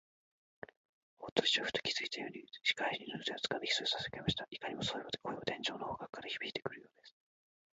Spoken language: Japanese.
大鳥氏はふと気がついたように、支配人の腕をつかんで、ヒソヒソとささやきました。いかにも、そういえば、声は天井の方角からひびいてくるようです。